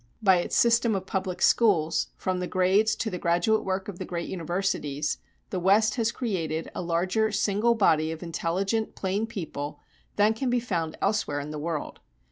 By its system of public schools, from the grades to the graduate work of the great universities, the West has created a larger single body of intelligent plain people than can be found elsewhere in the world.